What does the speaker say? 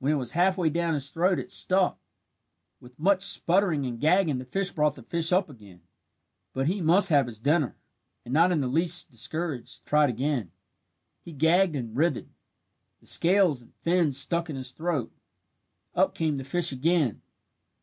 When it was half way down his throat it stuck. With much sputtering and gagging the bird brought the fish up again. But he must have his dinner, and not in the least discouraged, tried again. He gagged and writhed. The scales and fins stuck in his throat. Up came the fish again.